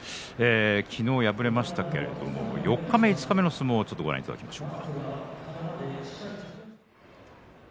昨日、敗れましたけれど四日目、五日目の相撲ご覧いただきましょう。